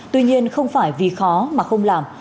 tuy nhiên không phải vì khó mà không làm